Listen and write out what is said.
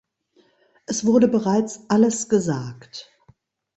Es wurde bereits Alles gesagt.